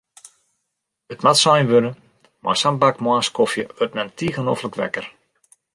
It moat sein wurde, mei sa'n bak moarnskofje wurdt men tige noflik wekker.